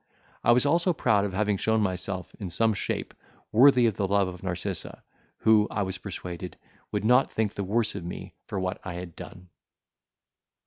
I was also proud of having shown myself, in some shape, worthy of the love of Narcissa, who, I was persuaded, would not think the worse of me for what I had done.